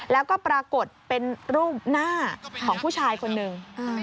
แล้วก็ปรากฏเป็นรูปหน้าของผู้ชายคนหนึ่ง